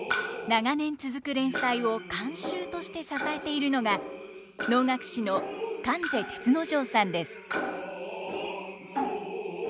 長年続く連載を監修として支えているのが能楽師の観世銕之丞さんです。